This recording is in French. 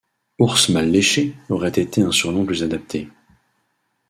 Ours mal léché aurait été un surnom plus adapté